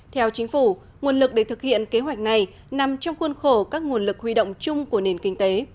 theo chính phủ nguồn lực để thực hiện kế hoạch này nằm trong khuôn khổ các nguồn lực huy động chung của nền kinh tế